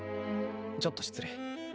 ちょっと失礼。